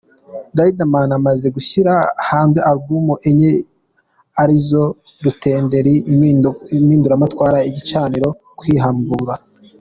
Riderman amaze gushyira hanze Album enye ari zo ; Rutenderi, Impinduramatwara, Igicaniro, Kwibambura.